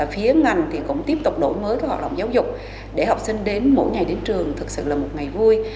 phía ngành cũng tiếp tục đổi mới các hoạt động giáo dục để học sinh đến mỗi ngày đến trường thực sự là một ngày vui